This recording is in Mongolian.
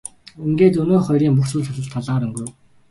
Ингээд өнөөх хоёрын бүх зүйл талаар өнгөрөв.